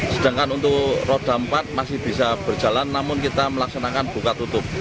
sedangkan untuk roda empat masih bisa berjalan namun kita melaksanakan buka tutup